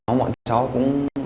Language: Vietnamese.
nhóm bọn cháu cũng